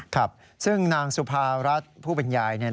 ครับซึ่งนางสุภารัฐผู้เป็นยาย